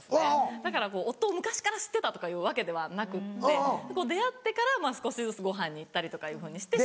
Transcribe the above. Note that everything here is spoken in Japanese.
だからこう夫を昔から知ってたとかいうわけではなくって出会ってから少しずつごはんに行ったりとか。